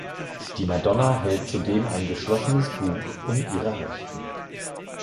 Die Madonna hält zudem ein geschlossenes Buch in ihrer Rechten.